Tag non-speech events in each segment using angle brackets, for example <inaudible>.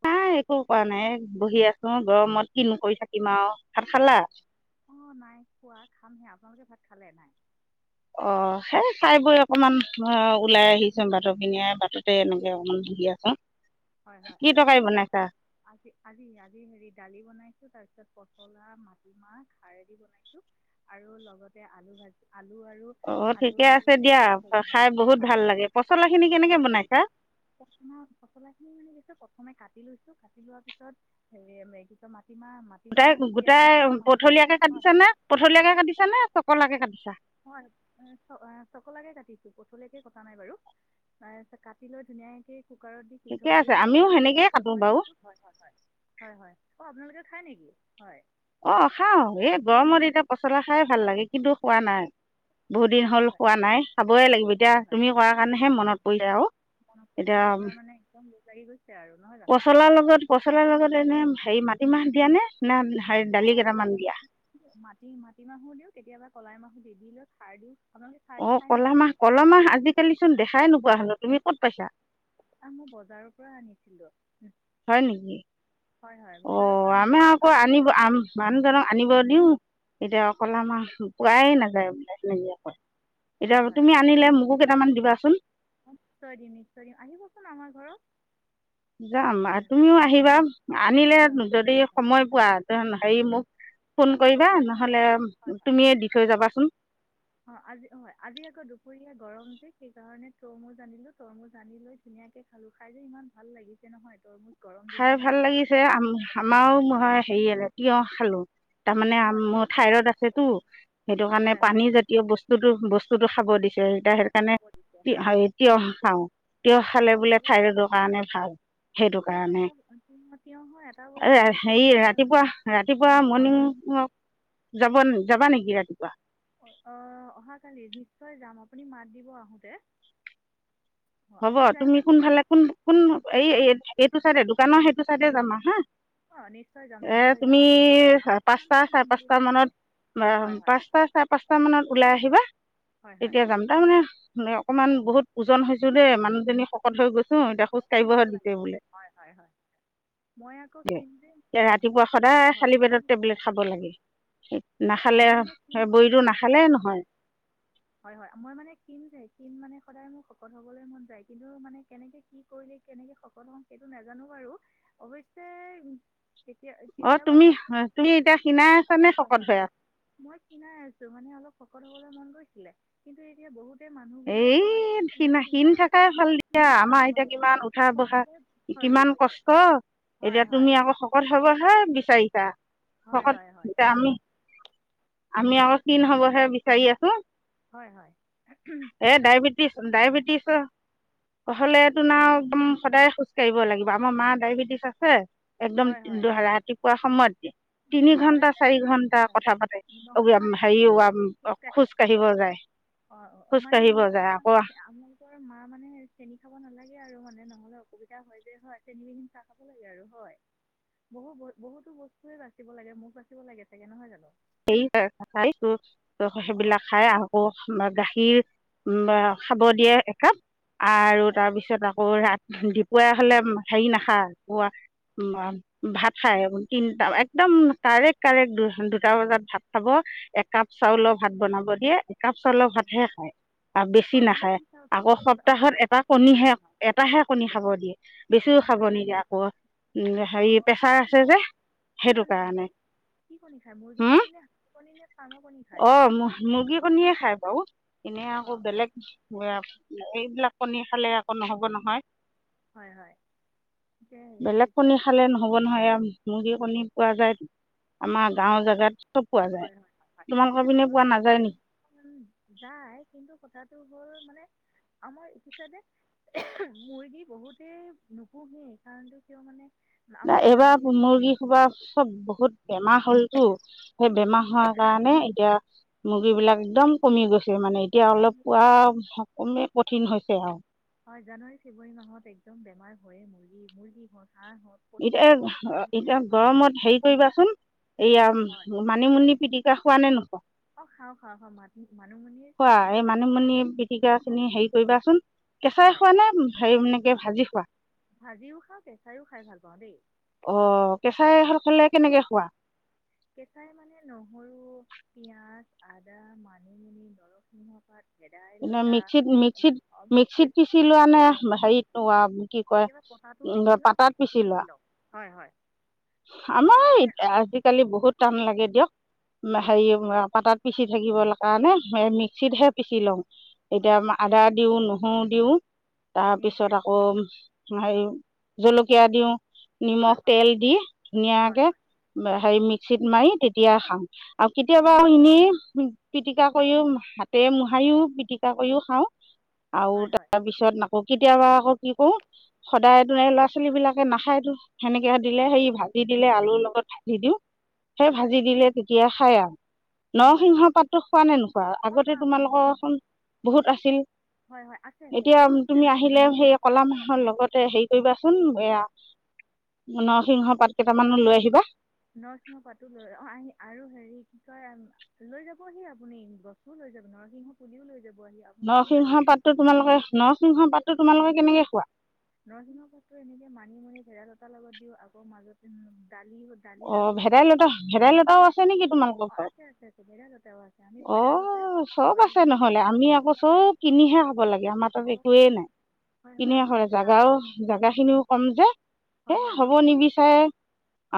হয় নাই একো কৰা নাই বহি আছো গৰমত কিনো কৰি থাকিম আও অ নাই খোৱা খামহে আপোনালোকে খালে নাই অ সেই খাই বৈ অকনমান অ ওলাই আহিছো বাটৰ পিনে বাটতে এনেকে অকমান বহি আছো হয় হয় কি আজি তৰকাৰী মানে মই বনাইছা আজি আজি আজি হেৰি দালি বনাইছো তাৰপিছত তাৰপিছত পচলা মাটিমাহ খাৰদি বনাইছো আৰু লগতে আলু ভাজি আলু আৰু অ আলু ঠিকে আৰু আছে দিয়া লেচৰি খাই হয় হয় বহুত হয় ভাল লাগে পচলা খিনি কেনেকে হয় হয় বনাইছা পচলা খিনি মানে দি প্ৰথম কাটি লৈছো কাটি লোৱাৰ পিছত হে <inaudible> মাটিমাহ গোটাই মাটিমাহ তিয়াই গোটাই থৈছিলো ম পথলিয়াকে কাটিছা নে পথলিয়াকে কাটিছা নে চকলাকে কাটিছা হয় হয় হয় চকলাকে কাটি পথালিকৈ কটা নাই বাৰু তাৰপাছত কাটিলৈ ধুনীয়াকৈ কুকাৰত ঠিকে সিদ্ধ কৰি আছে লৈ আমিও তাৰ সেনেকেই পাছত তেল কাটো মাৰি বাৰু দিছো হয় হয় হয় হয় হয় অ আপোনালোকে হয় নেকি হয় অ খাও এই গৰমত এতিয়া পচলা খাই ভাল লাগে কিন্তু খোৱা নাই বহুত দিন হয় হল হয় খোৱা নাই খাবই লাগিব এতিয়া হয় হয় তুমি কোৱাৰ কাৰণেহে হয় মনত পৰিলে আৰু মনত পৰিছে এতিয়া আপোনাৰ মানে একদম লোভ লাগি গৈছে আৰু নহয় জানো পচলাৰ লগত পচলাৰ লগত এনে হে মাটিমাহ দিয়া নে না হেৰি অ দালি অ কেইটামান দিয়া মাটি মাটি মাহো দিও কেতিয়াবা কলাই মাহ নিদিলে খাৰ দিওঁ আপোনালোকে খাৰ দি অ খায়নে ক'লা নাখায় মাহ ক'লা মাহ আজিকালি চোন দেখাই নু নোপোৱা হলো তুমি ক'ত পাইছা? আমি বজাৰৰ পৰা আনিছিলো। হয় নেকি? বজাৰৰ অ' পৰা আমাৰ আনিছিলোঁ আকৌ আনি লৈ আনিব আ মানুহজনক আনিব দিওঁ তেতিয়া ক'লামাহ পোৱাই নাযায় বোলে হেনেকে কয়। এতিয়া হয় হয় তুমি হয় আনিলে মোকো কেইটামান দিব লোৱা চোন নিশ্চয় দিম, নিশ্চয় দিম। আহিব‌ চোন আমাৰ ঘৰত। যাম আ হয় তুমিও আহিবা আনিলে হয় হয় যদি নিশ্চয় যাম সময় পোৱা তে হেই মোক ফোন কৰিবা হয় হয় নহ'লে তুমিয়ে দি থৈ যাবাচোন। অঁ আজি হয় আজি আকৌ দুপৰীয়া গৰম যে সেইকাৰণে তৰমুজ আনিলো তৰমুজ আনি লৈ ধুনীয়াকে খালো খাই যে ইমান ভাল লাগিছে নহয় তৰমুজ গৰম খাই দিনত ভাল নহয় জানো লাগিছে আম আমাৰো হয়। সেইয়েলে তিয়হ খালো। তাৰমানে অঁ তিয়ঁহ আমত খাইছিলে ঠাইৰড অঁ আছেটো অঁ সেইটো কাৰণে হয় পানী হয় জাতীয় বস্তুতো বস্ত যটো খাব দিছ তেই তা সেটোত কাণে খাব দিছে তি হয় হাইত তিয়হ খাওঁ। তিয়হ অঁ খালে অঁ বোলে খাব লাগে থঠাইৰডৰ কাৰণে ভাল সেইটো। তিয়ঁহৰ কাৰণে এটা তিয়ঁহৰ এটা আইৰা বস্তুৱে সেই অসুবিধা হয় মানে ৰাতিপুৱা ৰাতিপুৱা হয় হয় মৰ্ণিংৱক যাবন যাবা নেকি ৰাতিপুৱা? অহ অহাকালি নিশ্চয় যাম আপুনি মাত দিব আহোঁতে। অঁ হ'ব আপুনি তুমি যায়নে কোন ফালে কোন কোন এই এই এট এইটো চাইডে দোকানৰ সেইটো চাইডে যাম হা। অঁ নিশ্চয় যাম এ নিশ্চয় যাম তুমি আৰু সোনকালে আপুনি কিমান পাঁচটা টাইমত চাৰে যাম বুলি পাঁচটা ভাবিছে মানত হয় হয় হয় পাঁচটা চাৰে পাঁচটা মানত ওলাই আহিবা হয় হয় এতিয়া যাম। তাৰমানে শুনৰক অকমান বহুত ওজন হৈ হৈছ ছো দে মানুহজনী শকত হৈ গৈছ উ এতিয়া খোজ কাঢ়িব ক্ষীণাব লাগে দিগদাৰি বোলে। হয় হয় হয় মই আকৌ কিন যে এতিয়া হয় ৰাতিপুৱা অ সদায় হয় খালী মই পেটত টেবলেট খাব লাগে অ নাখালে মই মানে বড়িটো নাখালে হয় হয় নহয় হয় হয় মই মানে কম যে ক মানে সদায় মোক শকত হ'বলৈ মন যায় কিন্তু মানে কেনেকে কি কৰিলে কেনেকে সফল হম সেইটো নাজানো বাৰু অৱশ্যে তিয়া অঁ কেতিয়াবা তুমি তুমি এতিয়া ক্ষীণাই আছানে ভাবো শকত হয় হৈ আছা মই ক্ষীণাই আছোঁ মানে অলপ শকত হ'বলৈ মন গৈছিলে কিন্তু এতিয়া বহুত এই ক্ষীণা ক্ষীণ থাকাই ভাল দিয়া কিন্তু ভাল আমাৰ এতিয়া হয় কিমান উঠা শকত বহা হ'লে হয় বুলি কিমান কৈছে কষ্ট হয় এতিয়া হয় তুমি আকৌ শকত হবহা বিচাৰিছা হয় শকত হয় হয় যে আমি আমি অলপ ক্ষীণ হ'বহে বিচাৰি আছোঁ। হয়, হয়। এ ডায়বিটিছ, ডায়বিটিছ হ হ'লে তোন হয় আও, একদম সদায় খোজ কাঢ়িব লাগিব। আমাৰ মা ডায়েবেটিচ আছে। একদম হয় হয় হয় ৰাতিপুৱা সময়ত দিয়ে তিনি নহ'লে ঘণ্টা চাৰি ঘন্টা কথা পাতে। মানে নহ'লে মানে হেৰি ওৱা, খোজকাঢ়ে খোজ কাঢ়িব যায়। অঁ অ। মানে খোজকাঢ়িব নহ'লে যায় আপোনালোকে, আকৌ আপোনালোকৰ মা মানে চেনি খাব নালাগে আৰু মানে নহ'লে অসুবিধা হয় যে হয় চেনি নিদি চাহ খাব লাগে আৰু হয়। বহু ব, বহুতো বস্তুয়ে বাচিব লাগে, মুখ বাচিব লাগে চাগে। নহয় জানো? সেই খাইছো ত অঁ সেইবিলাক খাই আকৌ আমাৰ গা সি বা, অঁ খাব দিয়ে। হাঁ! হয় আৰু, হয় তাৰ পিছত আকৌ ৰাতি দিপৱীয়া হ'লে হেৰি নাখায়। ভাত খায় তিনিটা, একদম কাৰেক্ কাৰেক্ট দুটা বজাত ভাত খাব। একাপ চাউলৰ হয় ভাত বনাব দিয়ে। একাপ চাওল হয় ভাতহে হয় খায়, বা বেছি অঁ আপুনি নাখায়। কি চাহ আকৌ আপোনাৰ হয় সপ্তাহত আপ- এটা কণীহে, হয় হয় এটাহে কণী খাব দিয়ে। বেছিও খাব হয় হয় নিদিয়ে আকৌ, উম। হেৰি অঁ অঁ কি প্ৰেছাৰ কণী আছে যে খায় কি সেইটো কণী খায় কাৰণে। বাৰু কি কণী খায় মুৰ্গী হম। কণী নে হাঁহৰ কণী নে ফাৰ্মৰ কণী খায় অ'! মুৰ্গী কণীয়ে খায় বাৰু? এনেই আকৌ অঁ অঁ বেলেগ এইবিলাক কণী খালে আকৌ নহ'ব নহয়। হয় হয় এতিয়া হেৰি কি বেলেগ কণী কয় খালে ন'হব নহয়। এও মুৰ্গী কণী পোৱা যায়। আমাৰ হয় গাঁও জ হয় -হয়, হয়। এ ঘৰত পোৱা নাযায় নেকি যায়, কিন্তু কথাটো হ'ল মানে আমাৰ ইটোচাইদে মুৰ্গী বহুতেই নুপুহেয়। কাৰণটো কিয় মানে আমাৰ গাঁৱলীয়া এইবাৰ ঠাইত মুৰ্গী সোপা চব বহুত বেমাৰ হ'লতো, সেই বেমাৰ হোৱাৰ কাৰণে, এতিয়া মুৰ্গী বিলাক একদম কমি গৈছে। মানে এতিয়া অলপ জান- পোৱা উমে কঠিন হৈছে আও। হয় জানুৱাৰী ফেব্ৰুৱাৰী মাহত একদম বেমাৰ হয় মুৰ্গী- মুৰ্গী হ এতিয়া -এতিয়া গৰমত হেৰি কৰিবাচোন হয় এয়া মানিমুনি পিটিকা পোৱা নে নো অ খাওঁ খাওঁ খাওঁ মা মানিমুনিৰ ', খোৱা চাটনিটো এই মানিমুনি পিটিকা চিনি হেৰি কৰিবাচোন কেঁচাই হয় খোৱা নে হে এনেকে ভাজি কোৱা ভাজিও খাওঁ কেঁচাইও খাই ভাল পাওঁ দেই। অ ', কেঁচাই খাৰ খালে কেনেকে খোৱা? কেঁচাই মানে নহৰু পিয়য়াজ আদা মানিমুনি নৰসিংহ পাত। ভেদাইলতা মিক্সিত মিক্সিত পিচি লোৱা নে হেৰি কি কয় কেতিয়াবা পটাটো পিচি উ লওঁ পাতাত পিচি লোৱা লওঁ হয় হয় আমাৰ আপোনালোকে আজিকালি বহুত টান লাগে দিয়ক। হয় হেৰি পাতাত পিছি থাকিব কাৰণে মিক্সিতহে পিচি লওঁ। এতিয়া আ আদা দিও নো অ', দিওঁ। তাৰ ধুনীয়াকৈ পিছত আকৌ হেৰি জলকীয়া দিও। নিমখ হয় হয় তেল দি হয় ধুনীয়াকে হেৰি মিক্স চিট মাৰি তেতিয়া খাাম। আৰু কেতিয়াবা এনেই পিটিকা কৰিও হাতেৰে মূহাৰিও টিকা কৰিও খাওঁ। আৰু হয় হয় হয় তাৰপিছত আকৌ কেতিয়াবা আকৌ কি কৰো সদায়তো এই ল'ৰা ছোৱালী বিলাকে নাখাইো সেনেকে দিলে সে ভাজি দিলে আলুৰ লগত ভাজি দিওঁ সেই হয় হয় ভাজি দিলে তেতিয়া সেইয়া হয় হয় নৰসিংহ পাতো খোৱা নে নোখোৱা অঁ আগতে হয় হয় তোমালোকৰচোন বহুত আছিল হয় হয় আছে আছে এতিয়া এতিয়াও আছে তুমি আহি আহিলে আহি- সেই কলা হয় হয় মাহৰ লগতে হেৰি কৰিবাচোন এয়া নৰসিংহ পাত কেইটামানো লৈ আহিবা পাৰা লৈ যাবহি আপুনি বস্তুও লৈ যাব নৰসিংহ পুলিও লৈ যাব আহি আপোনালোকক নসিংহ লাগি পাতটো তোমালোকে নখ নৰসিংহ পাতো তোমালোকে কেনেকে খোৱা নৰসিংহ পাততু এনেকে মানি মানি ভেৰালতাৰ লগত দিও আগৰ মাজতে দালি দালিত অ আমি ভেদাইলতা ধুনীয়াকৈ ভেদাইলতাও আছে নেকি তোমালোকৰ অঁ ঘৰত আছে আছে আছে ভেদাইলতাও আছে আমি অ ভেদাইলতাৰ চব বৰা আছে বনাই নহলে খাওঁ আমি আকৌ চব কিনিহে খাব লাগে আমাৰ তাত অঁ একোৱেই নাই হয় হয় কিনিহে কৰে আপোনালোকে জাগ তাৰ বাৰু হয় জাগা খিনিও কম যে হে হয় হয় হ'ব আপোনালোকে নিবিচাৰে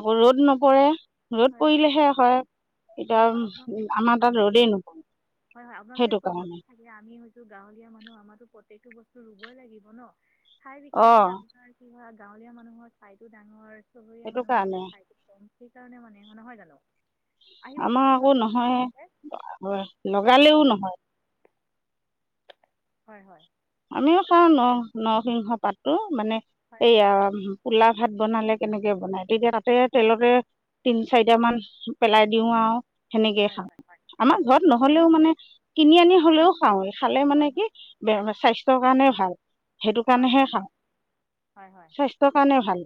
আকৌ ৰ'দ নপৰে ৰ'দ হয় আপ পৰিলেহে হয় হয় এতিয়া হয় আপোনালোক, আমাৰ হয় তাত হয়, ৰ'দেই নপৰে হয় হয় আপোনালোকে সেইটো চহৰত কাৰণে থাকে, আমি হৈছো গাঁৱলীয়া মানুহ, আমাতো পত তিটো বস্তু ৰুবই লাগিব ন। ঠাই বিশেষে অঁ আপোনাৰ কি হয় গাঁৱলীয়া মানুহৰ ঠাইটো ডাঙৰ চুবুৰীয়া সেইটো মানুহৰ কাৰণে ঠাইতো কম। সেইকাৰণে মানে, নহয় জানো? আহিবচোন আমাৰ আকৌ ঘৰৰ নহয়, লগালেও নহয়। হয়, হয়। আমিও খাওঁ ন-নৰসিংহ পাতটো, মানে হয় হয় এইয়া, হয় পোলাপ ভাত বনালে কেনেকে বনাই, তেতিয়া তাতে, তেলতে তিন চাৰিটামান পেলাই দিও আও। সেনেকেই হয় খাওঁ। আমাৰ হয় হয় হয় হয় হয় ঘৰত নহ'লেও মানে কিনি আনি হ'লেও চাউল খালে মানে হয় হয় কি, বেয়া বছ স্বাস্থ্যৰ কাৰণে ভাল। সেইটো হয় হয় কাৰণেহে হয় খাওঁ, হয় হয় স্বাস্থ্যৰ কাৰণে ভাল,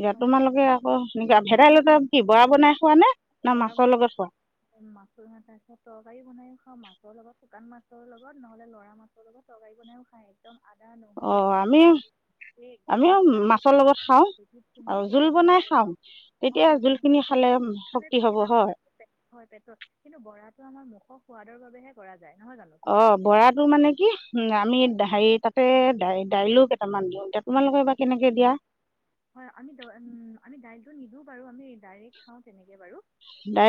ইয়াত হয় হয় তোমালোকে আকৌ তুমি কোৱা ভেডাইলতা কি বৰা বনাই খোৱা নে না বৰা মাছৰ বন লগত খোৱা <inaudible> মাছৰ, তাৰপিছত তৰকাৰী বনাইও খাওঁ, মাছৰ লগত শুকান মাছ ছৰ লগত, নহ'লে লৰা মাছৰ লগত তৰকাৰী বনাইও খায়, একদম আদা নহৰু অ' আমি, পিঁয়াজ এই একদম আমিও গুড়াকৈ মাছৰ লগত খাওঁ, ঢেঁকীত খুন্দি আৰু জোল তেতিয়া বনাই ধুনীয়াকৈ খাওঁ, অঁ তেতিয়া অঁ জোল খিনি খালে বনাই উম, শ খালে বেছি ভাত খালে, পেটত ধৰে পেটত, কিন্তু বৰা তাটো আমাৰ মুখৰ সোৱাদৰ বাবেহে কৰা যায়। নহয় জানো অ' পিঠাটো বৰাটো মানে কি, উম, আমি হয় হেৰি তাতে দাই দাইলো কেইটামান দিওঁ, এতিয়া তোমালোকে বা কেনেকে দিয়া। হয় আমি দ, উম, আমি দাইলটো নিদিওঁ বাৰু আমি ডাইৰেক্ট খাওঁ তেনেকৈ বাৰু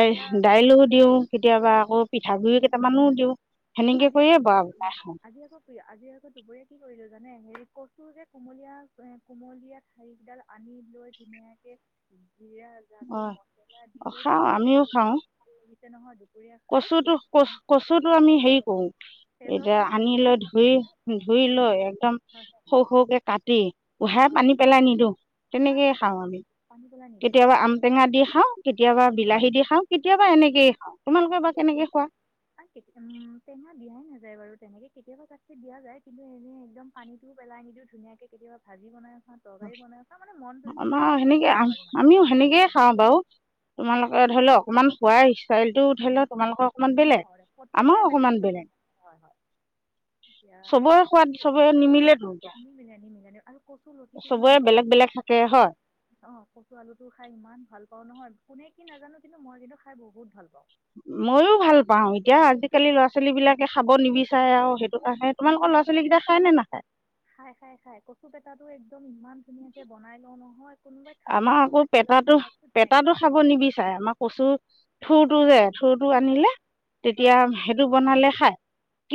এতিয়া দিওঁ, কেতিয়াবা আকৌ পিঠাগুৰিও কে টামানো দিওঁ। সেনেকৈ আজি আকৌ, কৰিয়ে বৰা হয় বনাই হয়, খাওঁ আজি আকৌ প্ৰীয়, আজি আকৌ দুপৰীয়া কি কৰিলো জা জানে হেৰি কচু যে, কোমলীয়া এ, কোমলীয়া ঠাৰিকেইডাল আনি লৈ ধুনীয়াকে পিয়াঁজ, আলু, অঁ মচলা দি লৈ ধুনীয়াকৈ খালো, ভাল লাগিল। তে নহয় দুপ কচুটো-কচ-কচুটো আমি চাফা হেৰি গ'ল কৰোঁ। তেজৰ এতিয়া কাৰণেও আনি ভাল পেট লৈ চাফা ধুই, হ'ল। ধুই লৈ একদম হয় হয় সৰু সৰুকে কাটি, হয় উহাই হয় পানী পেলাই নিদিওঁ, নাই তেনেকেই পানী খাওঁ আমি, পানী পেলাই নিদিওঁ কেতিয়াবা আম টেঙা দি খাং কেতিয়াবা বিলাহী দি খাওঁ কেতিয়াবা এনেকয়ে খাওঁ। তোমালোকে বা কেনেকে খোৱা কিতে হাবি আহ ন বাৰু তেনেকে কেতিয়াবা তাট দিয়া যায় কিন্তু এনে একদম পানীটোও পেলাই নিদিও ধুনীয়াক কেতিয়াবা ভাজি বনাই। খাওঁ তৰকাৰী বনাই খাওঁ মানে মনটো যি মন আমাৰ যায় তাকেই সেনেকে খাওঁ আৰু মানে আমিও হয় সেনেকেই হয় খাওঁ বাৰু হয় তোমালোকে ধৰি লও অকনমান খোৱাই আহিছে চাৰলটো উঠাই লে তোমালোকক। হয় প্ৰতেকৰে বেলেগ বেলেগ হয় হয় এতিয়া চবৰে সোৱাদ চবৰে নিমিলেতো এতিয়া নিমিলন নিমিলন আৰু কচ কটো মই চবৰে ইমান বেলেগ বেলেগ থাকে হয় অ কচু আলুটো খাই ইমান ভাল পাওঁ নহয়, কোনে কি নাজানো কিন্তু মই কিন্তু খাই বহুত ভাল পাওঁ মোৰ, পাওঁ এতিয়া কচু আজিকালি ল'ৰা ছোৱালী বিলাকে খাব নিবিচাৰে আৰু সেইটো কাৰণে তোমালোকৰ ল'ৰা হয় ছোৱালী কেইটা খাই নে নেখায় খাই খাই খাই কচু পেটাতো একদম ইমান। ধুনীয়াকে বনাই লওঁ নহয়, কোনোবাই খালেও আমাৰ খাব আকৌ নাখালেও পেতটো মই ধুনীয়াকৈ পেতটো খাওঁ খাব নিবিচাৰে আমাৰ কচু থু টুযে ঠুটো হয় আনিলে তেতিয়া হয় সেইটো বনালে খাই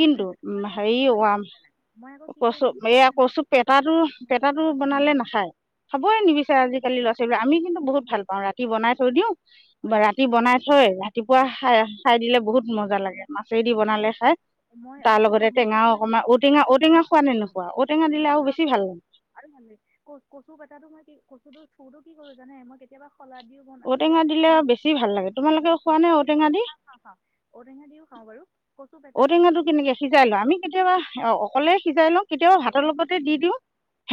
উম উম উ মই আকৌ কি হেৰি কৰোঁ জানে নাই মই আকৌ কি কৰোঁ কচু গম এয়া পাইছেনে নাই কচু পেতাটো পেতাটো হয় হয় বনালে নাখায় খাবই নিবিচাৰে আজিকালি লৰা ছোৱালীবিলাক আমি কিন্তুবহুত ভাল। ৰাতি অঁ বনাই অঁ থৈ দিওঁ হয় হয় ৰাতি বনাই থৈ ৰাতি ৰাতিপুৱা খাই চাই দিলে বহুত মজা লাগে মাছেদি হয় হয় বনালে খাই মই তাৰ সেইটো লগতে কৰো মই কি টেঙাও কৰি অকণমান কচু ঔটেঙা যে ঔটেঙা খোৱা নে হয় নোখোৱা ঔটেঙা দিলে অ আৰু খা বেছি ভাল লাগে আৰু ভাল কচু কটাটো মই কি কচুটো ফুৰো কি কৰো জানে মই কেতিয়াবা শলা দিও বন শল ঔটেঙা দিলে আৰু বেছি ভাল লাগে তোমালোকে খোৱা নে ঔটেঙা দি খা খাওঁ খাওঁ ঔটেঙা দিও খাওঁ বাৰু কচু পেটা কচু ঔটেঙাটো কেনেকে সিজাই লোৱা আমি কেতিয়াবা অকলে সিজাই লওঁ কেতিয়াও ভাতৰ লগতে দি দিওঁ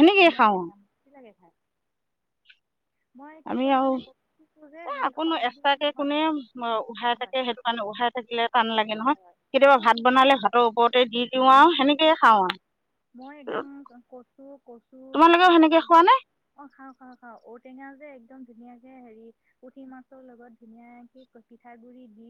ব ধুনীয়া খাওঁ লাগে ন্ড কি লাগে খাই মই কি আমি কৰো আৰু জানে কচুটো যে এ হেৰি আকোনো শলাদ দি কেনে এক্সট্ৰাকে হয় কোনে হয় উথাই হয় হয় থাকে সেইটো কাৰণে উথাই থাকিলে টান লাগে হয় নহয় হয় কেতিয়াবা ভাত কচুটো বনালে ভাতৰ ওপৰতে দি দিও আৰু সেনেক হয় মই একদম কচু পিঠা তোমালোকেও সেনেকৈ খোৱা অ খাওঁ খাওঁ খাওঁ ঔটেঙা যে একদম ধুনিয়াকে হেৰি পুঠি মাছৰ লগত ধুনীয়াকে কি পিঠা গুৰি দি